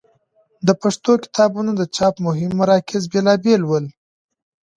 د پښتو کتابونو د چاپ مهم مراکز بېلابېل ول.